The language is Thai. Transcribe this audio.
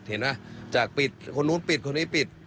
เห็นไหมจากปิดคนนู้นปิดคนนี้ปิด